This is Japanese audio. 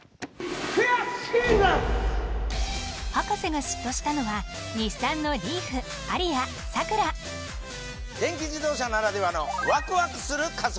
博士が嫉妬したのは電気自動車ならではのワクワクする加速！